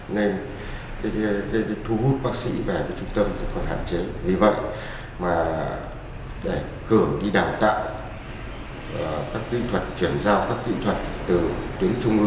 nên thu hút bác sĩ về với trung tâm còn hạn chế